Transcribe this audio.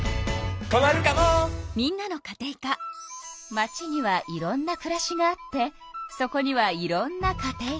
街にはいろんなくらしがあってそこにはいろんなカテイカが。